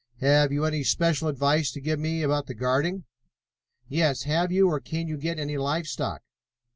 Have you any special advice to give me about the guarding?" "Yes. Have you, or can you get, any live stock?"